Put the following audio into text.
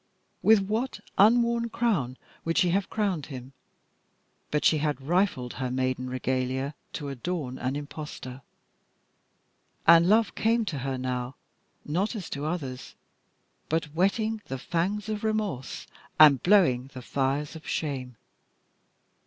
With what an unworn crown would she have crowned him! but she had rifled her maiden regalia to adorn an impostor. And love came to her now, not as to others, but whetting the fangs of remorse and blowing the fires of shame.